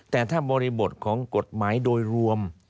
แต่ถ้าบริบทของกฎหมายโดยรวม